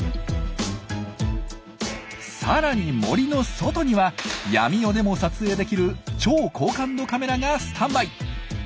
さらに森の外には闇夜でも撮影できる超高感度カメラがスタンバイ。